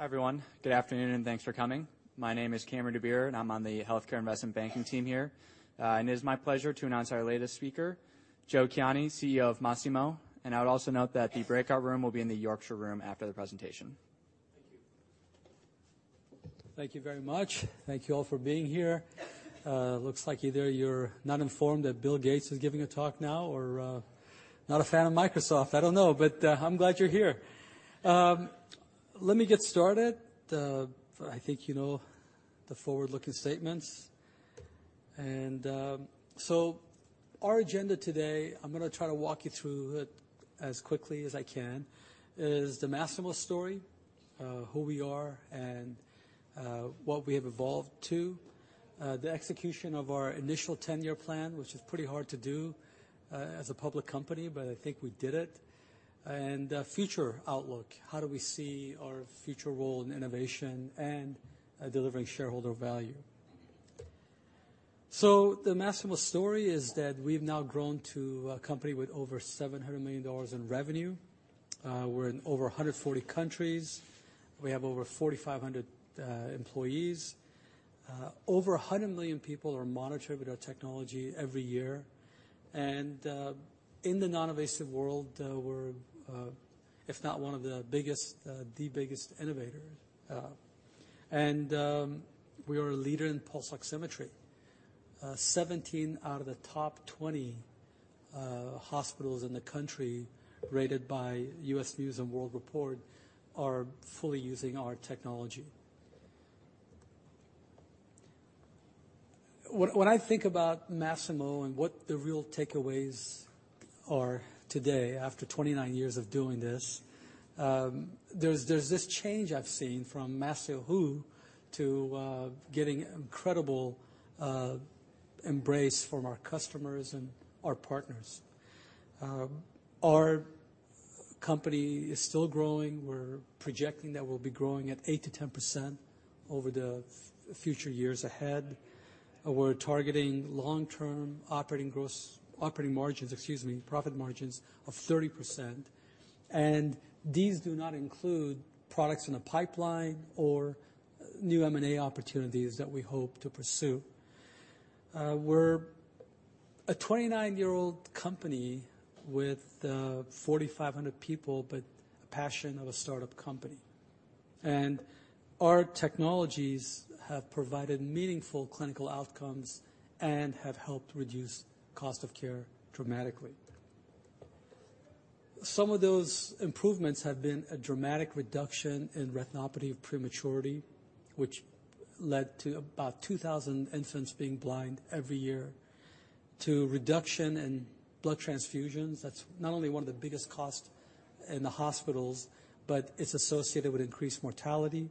Hi, everyone. Good afternoon, and thanks for coming. My name is Cameron DeBeer, and I'm on the Healthcare Investment Banking team here. And it is my pleasure to announce our latest speaker, Joe Kiani, CEO of Masimo. And I would also note that the breakout room will be in the Yorkshire room after the presentation. Thank you. Thank you very much. Thank you all for being here. Looks like either you're not informed that Bill Gates is giving a talk now or not a fan of Microsoft. I don't know, but I'm glad you're here. Let me get started. I think you know the forward-looking statements. And so our agenda today, I'm going to try to walk you through it as quickly as I can, is the Masimo story, who we are, and what we have evolved to, the execution of our initial ten-year plan, which is pretty hard to do as a public company, but I think we did it, and future outlook. How do we see our future role in innovation and delivering shareholder value? So the Masimo story is that we've now grown to a company with over $700 million in revenue. We're in over 140 countries. We have over 4,500 employees. Over 100 million people are monitored with our technology every year. And in the non-invasive world, we're, if not one of the biggest, the biggest innovators. And we are a leader in pulse oximetry. 17 out of the top 20 hospitals in the country, rated by U.S. News & World Report, are fully using our technology. When I think about Masimo and what the real takeaways are today, after 29 years of doing this, there's this change I've seen from Masimo to getting incredible embrace from our customers and our partners. Our company is still growing. We're projecting that we'll be growing at 8%-10% over the future years ahead. We're targeting long-term operating margins, excuse me, profit margins of 30%. And these do not include products in the pipeline or new M&A opportunities that we hope to pursue. We're a 29-year-old company with 4,500 people, but a passion of a startup company. Our technologies have provided meaningful clinical outcomes and have helped reduce cost of care dramatically. Some of those improvements have been a dramatic reduction in retinopathy of prematurity, which led to about 2,000 infants being blind every year, to reduction in blood transfusions. That's not only one of the biggest costs in the hospitals, but it's associated with increased mortality,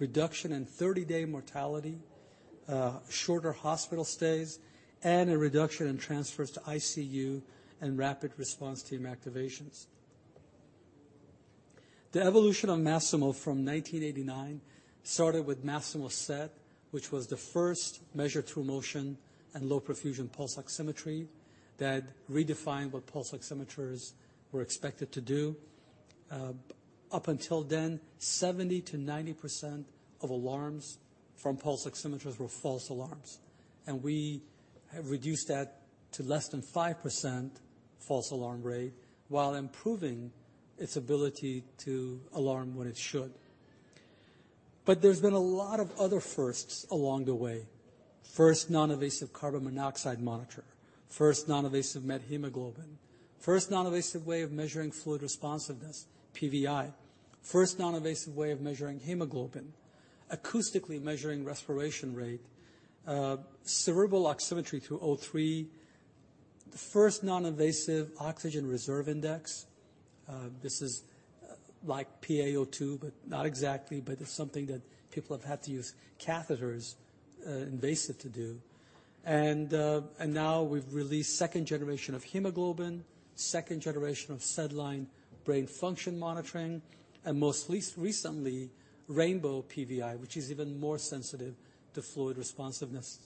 reduction in 30-day mortality, shorter hospital stays, and a reduction in transfers to ICU and rapid response team activations. The evolution of Masimo from 1989 started with Masimo SET, which was the first measure-through-motion and low perfusion pulse oximetry that redefined what pulse oximeters were expected to do. Up until then, 70%-90% of alarms from pulse oximeters were false alarms. And we have reduced that to less than 5% false alarm rate while improving its ability to alarm when it should. But there's been a lot of other firsts along the way. First non-invasive carbon monoxide monitor, first non-invasive methemoglobin, first non-invasive way of measuring fluid responsiveness, PVI, first non-invasive way of measuring hemoglobin, acoustically measuring respiration rate, cerebral oximetry through O3, the first non-invasive oxygen reserve index. This is like PAO2, but not exactly, but it's something that people have had to use invasive catheters to do. And now we've released second generation of hemoglobin, second generation of SedLine brain function monitoring, and most recently, Rainbow PVI, which is even more sensitive to fluid responsiveness.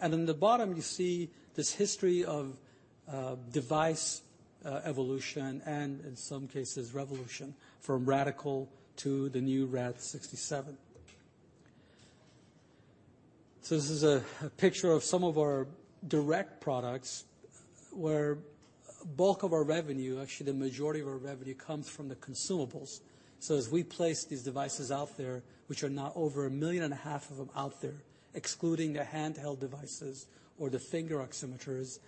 And in the bottom, you see this history of device evolution and, in some cases, revolution from Radical-7 to the new Rad-67. This is a picture of some of our direct products where bulk of our revenue, actually the majority of our revenue, comes from the consumables. As we place these devices out there, which are now over a million and a half of them out there, excluding the handheld devices or the finger oximeters,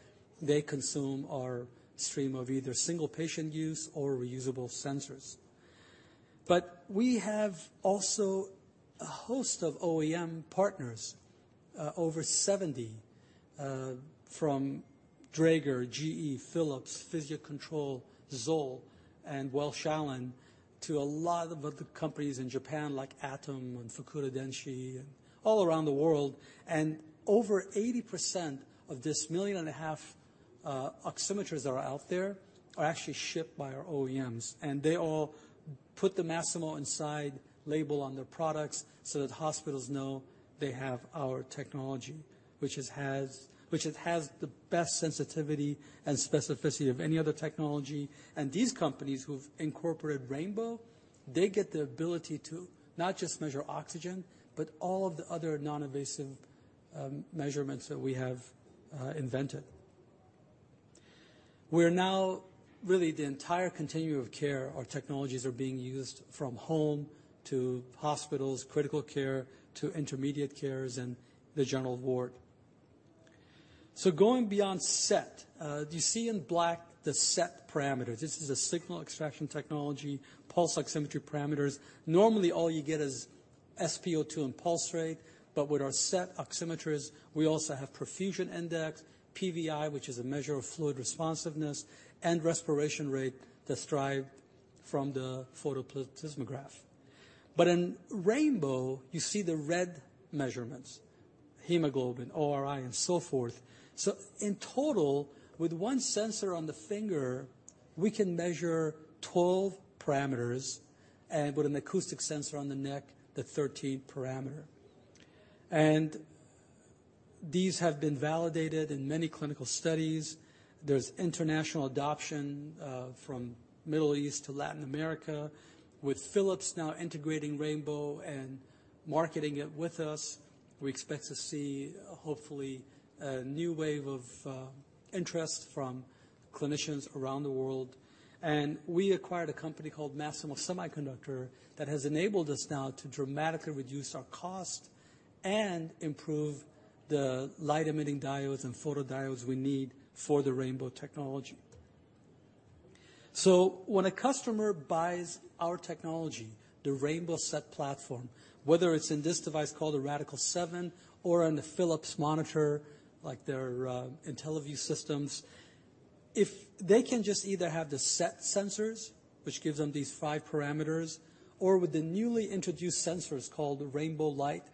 they consume our stream of either single patient use or reusable sensors. But we have also a host of OEM partners, over 70, from Dräger, GE, Philips, Physio-Control, Zoll, and Welch Allyn, to a lot of other companies in Japan like Atom and Fukuda Denshi and all around the world. Over 80% of this million and a half oximeters that are out there are actually shipped by our OEMs. They all put the Masimo Inside label on their products so that hospitals know they have our technology, which has the best sensitivity and specificity of any other technology. These companies who've incorporated Rainbow get the ability to not just measure oxygen, but all of the other non-invasive measurements that we have invented. We're now really the entire continuum of care. Our technologies are being used from home to hospitals, critical care to intermediate care, and the general ward. Going beyond SET, you see in black the SET parameters. This is a signal extraction technology, pulse oximetry parameters. Normally, all you get is SpO2 and pulse rate, but with our SET oximeters, we also have perfusion index, PVI, which is a measure of fluid responsiveness, and respiration rate that's derived from the photoplethysmograph. In Rainbow, you see the red measurements: hemoglobin, ORI, and so forth. In total, with one sensor on the finger, we can measure 12 parameters, and with an acoustic sensor on the neck, the 13th parameter. These have been validated in many clinical studies. There's international adoption from the Middle East to Latin America. With Philips now integrating Rainbow and marketing it with us, we expect to see, hopefully, a new wave of interest from clinicians around the world. We acquired a company called Masimo Semiconductor that has enabled us now to dramatically reduce our cost and improve the light-emitting diodes and photodiodes we need for the Rainbow technology. When a customer buys our technology, the Rainbow SET platform, whether it's in this device called a Radical-7 or on the Philips monitor, like their IntelliVue systems, if they can just either have the SET sensors, which gives them these five parameters, or with the newly introduced sensors called Rainbow Lite,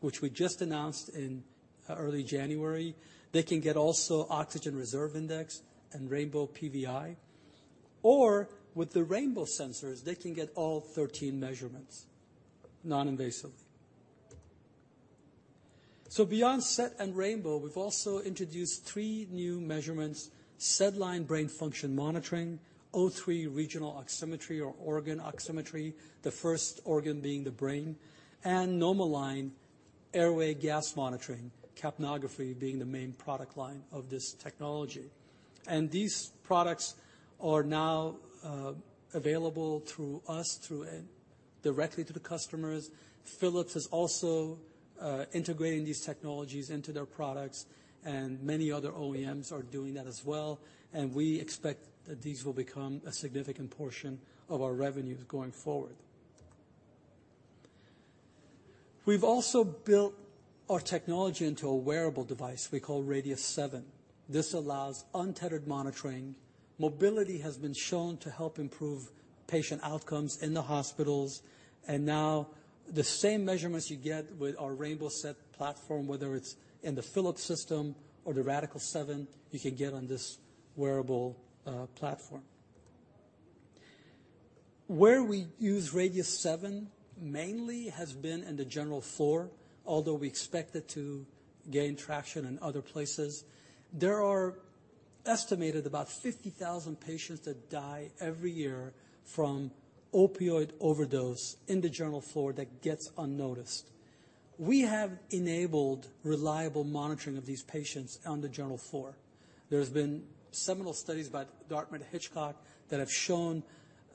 which we just announced in early January, they can get also oxygen reserve index and Rainbow PVI. Or with the Rainbow sensors, they can get all 13 measurements non-invasively. Beyond SET and Rainbow, we've also introduced three new measurements: SedLine brain function monitoring, O3 regional oximetry or organ oximetry, the first organ being the brain, and Nomoline airway gas monitoring, capnography being the main product line of this technology. These products are now available through us, directly to the customers. Philips is also integrating these technologies into their products, and many other OEMs are doing that as well. We expect that these will become a significant portion of our revenues going forward. We've also built our technology into a wearable device we call Radius-7. This allows untethered monitoring. Mobility has been shown to help improve patient outcomes in the hospitals. Now the same measurements you get with our Rainbow SET platform, whether it's in the Philips system or the Radical-7, you can get on this wearable platform. Where we use Radius-7 mainly has been in the general floor, although we expect it to gain traction in other places. There are estimated about 50,000 patients that die every year from opioid overdose in the general floor that gets unnoticed. We have enabled reliable monitoring of these patients on the general floor. There's been seminal studies by Dartmouth-Hitchcock that have shown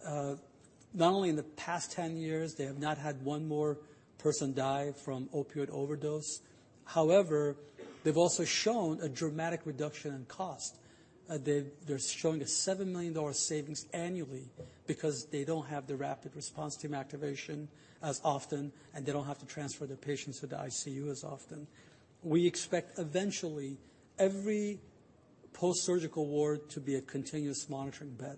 not only in the past 10 years, they have not had one more person die from opioid overdose. However, they've also shown a dramatic reduction in cost. They're showing a $7 million savings annually because they don't have the rapid response team activation as often, and they don't have to transfer the patients to the ICU as often. We expect eventually every post-surgical ward to be a continuous monitoring bed,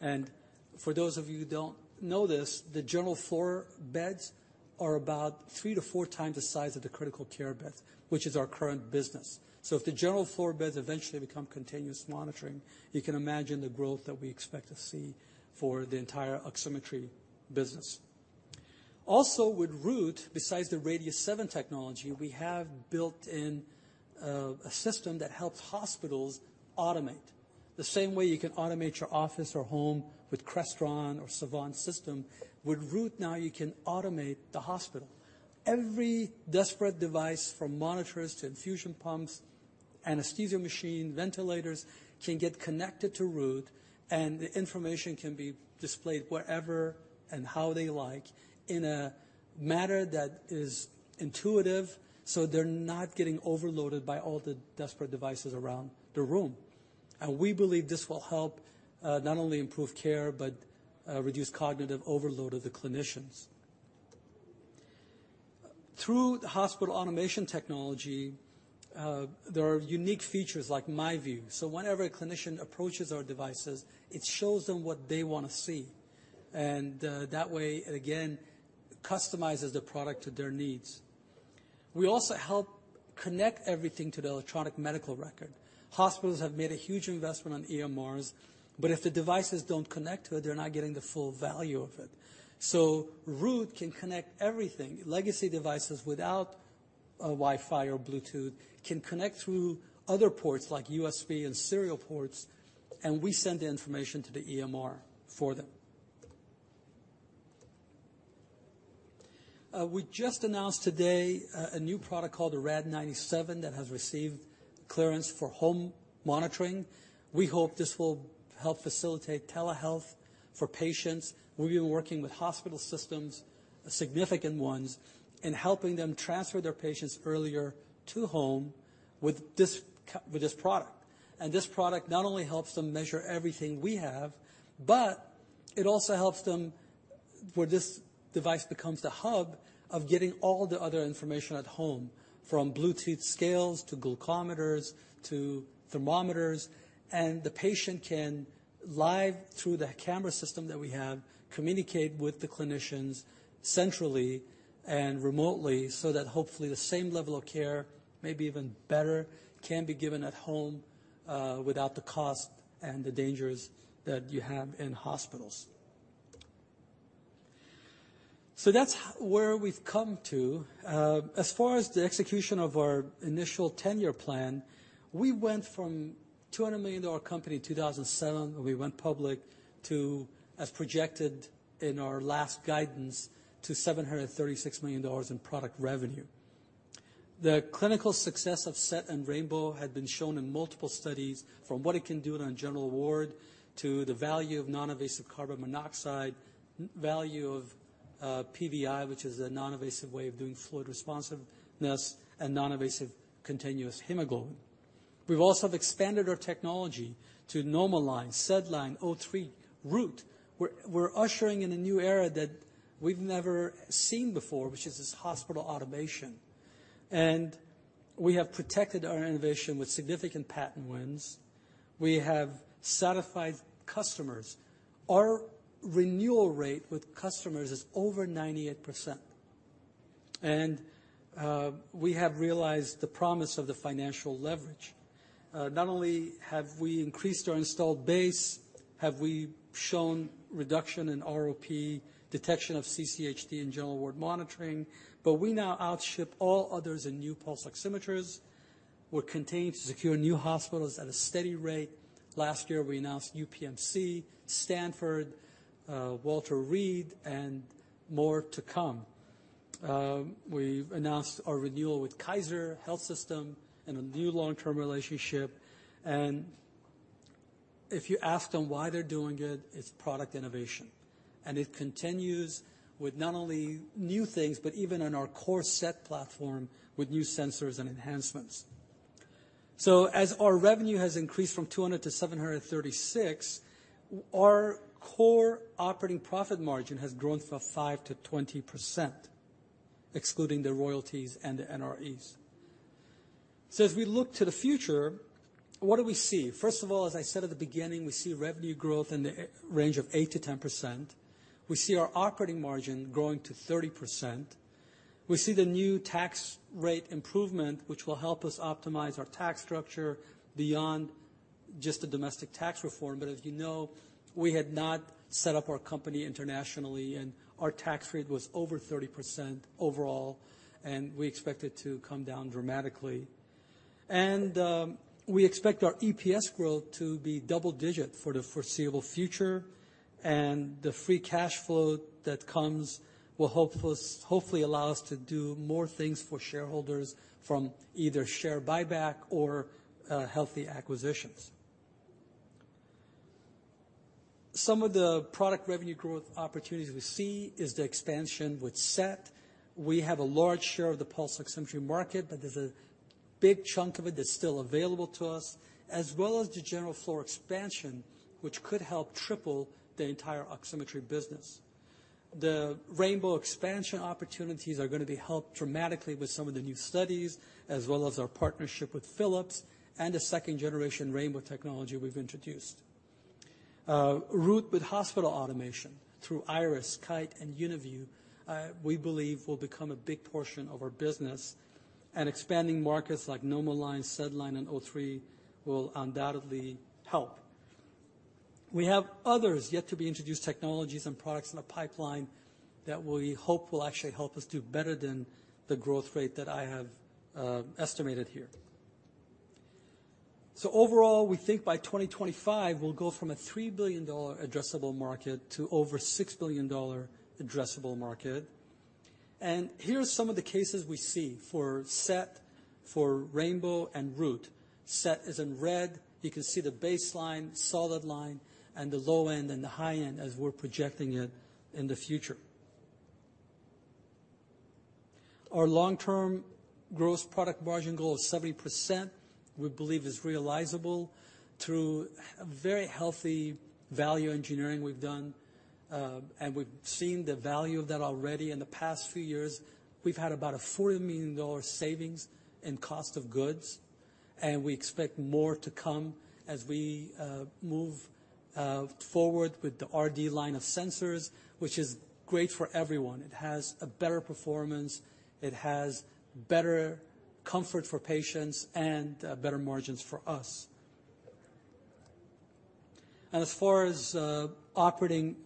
and for those of you who don't know this, the general floor beds are about three to four times the size of the critical care beds, which is our current business, so if the general floor beds eventually become continuous monitoring, you can imagine the growth that we expect to see for the entire oximetry business. Also, with Root, besides the Radius 7 technology, we have built in a system that helps hospitals automate. The same way you can automate your office or home with Crestron or Savant system, with Root now you can automate the hospital. Every disparate device, from monitors to infusion pumps, anesthesia machine, ventilators, can get connected to Root, and the information can be displayed wherever and how they like in a manner that is intuitive so they're not getting overloaded by all the disparate devices around the room. And we believe this will help not only improve care but reduce cognitive overload of the clinicians. Through the hospital automation technology, there are unique features like MyView. So whenever a clinician approaches our devices, it shows them what they want to see, and that way, it again customizes the product to their needs. We also help connect everything to the Electronic Medical Record. Hospitals have made a huge investment on EMRs, but if the devices don't connect to it, they're not getting the full value of it. So Root can connect everything. Legacy devices without Wi-Fi or Bluetooth can connect through other ports like USB and serial ports, and we send the information to the EMR for them. We just announced today a new product called the Rad-97 that has received clearance for home monitoring. We hope this will help facilitate telehealth for patients. We've been working with hospital systems, significant ones, in helping them transfer their patients earlier to home with this product, and this product not only helps them measure everything we have, but it also helps them where this device becomes the hub of getting all the other information at home, from Bluetooth scales to glucometers to thermometers. The patient can live through the camera system that we have communicate with the clinicians centrally and remotely so that hopefully the same level of care, maybe even better, can be given at home without the cost and the dangers that you have in hospitals. That's where we've come to. As far as the execution of our initial ten-year plan, we went from a $200 million company in 2007, when we went public, to, as projected in our last guidance, to $736 million in product revenue. The clinical success of SET and Rainbow had been shown in multiple studies, from what it can do on a general ward to the value of non-invasive carbon monoxide, value of PVI, which is a non-invasive way of doing fluid responsiveness, and non-invasive continuous hemoglobin. We've also expanded our technology to Nomoline, SedLine, O3, Root. We're ushering in a new era that we've never seen before, which is this hospital automation, and we have protected our innovation with significant patent wins. We have satisfied customers. Our renewal rate with customers is over 98%. And we have realized the promise of the financial leverage. Not only have we increased our installed base, have we shown reduction in ROP, detection of CCHD in general ward monitoring, but we now outship all others in new pulse oximeters, which continue to secure new hospitals at a steady rate. Last year, we announced UPMC, Stanford, Walter Reed, and more to come. We've announced our renewal with Kaiser Permanente and a new long-term relationship. And if you ask them why they're doing it, it's product innovation. And it continues with not only new things, but even on our core SET platform with new sensors and enhancements. As our revenue has increased from 200 to 736, our core operating profit margin has grown from 5% to 20%, excluding the royalties and the NREs. As we look to the future, what do we see? First of all, as I said at the beginning, we see revenue growth in the range of 8%-10%. We see our operating margin growing to 30%. We see the new tax rate improvement, which will help us optimize our tax structure beyond just the domestic tax reform. But as you know, we had not set up our company internationally, and our tax rate was over 30% overall, and we expect it to come down dramatically. And we expect our EPS growth to be double-digit for the foreseeable future. And the free cash flow that comes will hopefully allow us to do more things for shareholders from either share buyback or healthy acquisitions. Some of the product revenue growth opportunities we see is the expansion with SET. We have a large share of the pulse oximetry market, but there's a big chunk of it that's still available to us, as well as the general floor expansion, which could help triple the entire oximetry business. The Rainbow expansion opportunities are going to be helped dramatically with some of the new studies, as well as our partnership with Philips and the second-generation Rainbow technology we've introduced. Root with hospital automation through Iris, Kite, and UniView, we believe, will become a big portion of our business. And expanding markets like Nomoline, SedLine, and O3 will undoubtedly help. We have others yet to be introduced technologies and products in the pipeline that we hope will actually help us do better than the growth rate that I have estimated here. So overall, we think by 2025, we'll go from a $3 billion addressable market to over $6 billion addressable market. Here are some of the cases we see for SET, for Rainbow, and Root. SET is in red. You can see the baseline, solid line, and the low end and the high end as we're projecting it in the future. Our long-term gross product margin goal of 70%, we believe, is realizable through very healthy value engineering we've done. We've seen the value of that already in the past few years. We've had about a $40 million savings in cost of goods. We expect more to come as we move forward with the RD line of sensors, which is great for everyone. It has a better performance. It has better comfort for patients and better margins for us. As far as operating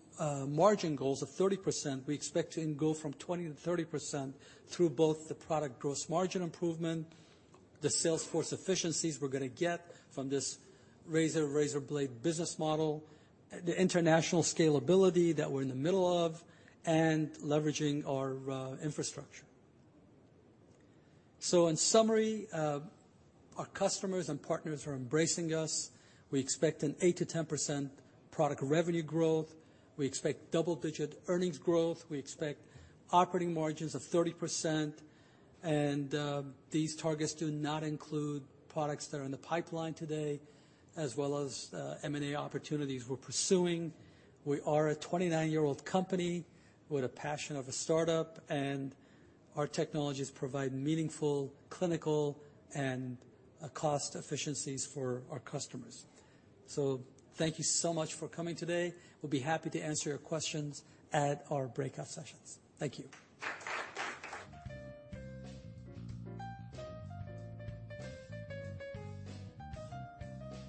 margin goals of 30%, we expect to go from 20%-30% through both the product gross margin improvement, the salesforce efficiencies we're going to get from this razor-blade business model, the international scalability that we're in the middle of, and leveraging our infrastructure. In summary, our customers and partners are embracing us. We expect an 8%-10% product revenue growth. We expect double-digit earnings growth. We expect operating margins of 30%. These targets do not include products that are in the pipeline today, as well as M&A opportunities we're pursuing. We are a 29-year-old company with a passion of a startup, and our technologies provide meaningful clinical and cost efficiencies for our customers. So thank you so much for coming today. We'll be happy to answer your questions at our breakout sessions. Thank you.